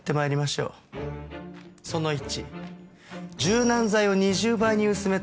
その１。